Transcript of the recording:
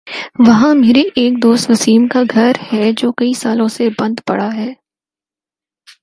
وہاں میرے ایک دوست وسیم کا گھر ہے جو کئی سالوں سے بند پڑا ہے ۔